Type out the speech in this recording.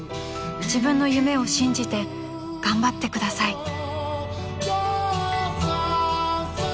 ［「自分の夢を信じて頑張ってください」］